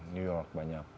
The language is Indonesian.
new york banyak